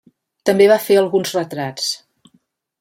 També va fer alguns retrats.